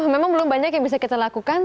memang belum banyak yang bisa kita lakukan